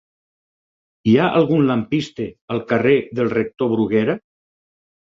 Hi ha algun lampista al carrer del Rector Bruguera?